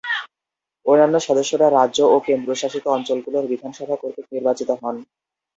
অন্যান্য সদস্যরা রাজ্য ও কেন্দ্রশাসিত অঞ্চলগুলির বিধানসভা কর্তৃক নির্বাচিত হন।